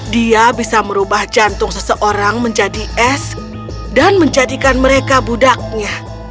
dia bisa merubah jantung seseorang menjadi es dan menjadikan mereka budaknya